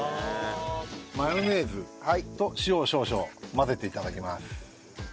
マヨネーズと塩を少々混ぜて頂きます。